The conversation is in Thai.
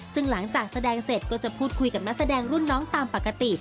ซึ่งหลังจากแสดงเสร็จก็จะพูดคุยกับนักแสดงรุ่นน้องตามปกติ